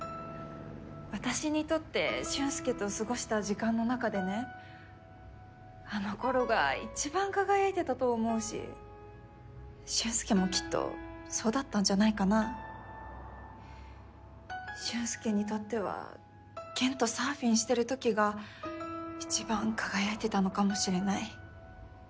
私にとって俊介と過ごした時間の中でねあのころが一番輝いてたと思うし俊介もきっとそうだったんじゃないかな。俊介にとってはケンとサーフィンしてるときが一番輝いてたのかもしれない。